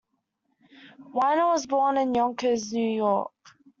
Weiner was born in Yonkers, New York.